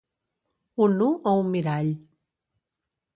Un nu o un mirall.